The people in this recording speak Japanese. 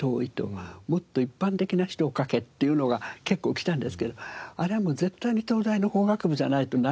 「もっと一般的な人を書け」っていうのが結構来たんですけどあれはもう絶対に東大の法学部じゃないとならなかったんです。